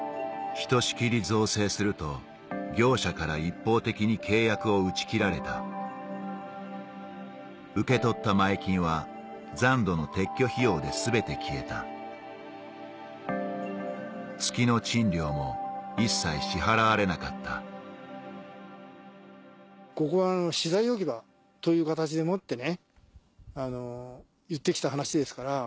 ひとしきり造成すると業者から一方的に契約を打ち切られた受け取った前金は残土の撤去費用で全て消えた月の賃料も一切支払われなかったそういうことですね。